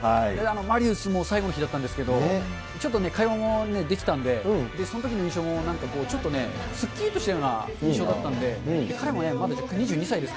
マリウスも最後の日だったんですけど、ちょっとね、会話もできたんで、そのときの印象も、ちょっとね、すっきりとしたような印象だった若いんだね。